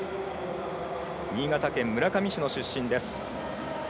新潟県村上市の出身です。